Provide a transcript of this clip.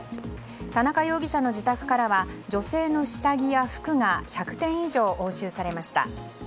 田中容疑者の自宅からは女性の下着や服が１００点以上押収されました。